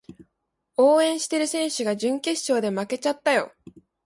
応援してる選手が準決勝で負けちゃったよ